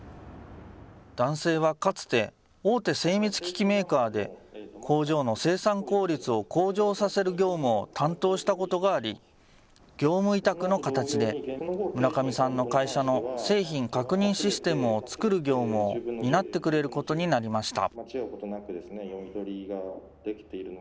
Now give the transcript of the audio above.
男性はかつて、大手精密機器メーカーで、工場の生産効率を向上させる業務を担当したことがあり、業務委託の形で、村上さんの会社の製品確認システムを作る業務を担ってくれることになりました。